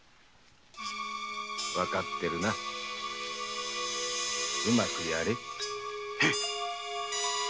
わかっているなうまくやれ。